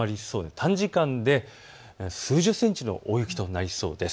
短時間で数十センチの大雪となりそうです。